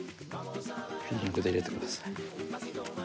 フィーリングで入れてください。